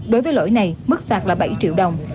đối với lỗi này mức phạt là bảy triệu đồng